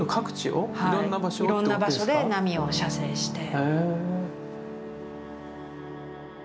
はいいろんな場所で波を写生して。